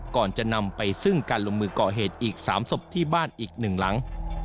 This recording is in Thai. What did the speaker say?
ก่อนจะนำไปซึ่งการลงมือก่อเหตุอีก๓ศพที่บ้านอีกหนึ่งหลัง